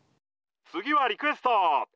「次はリクエスト！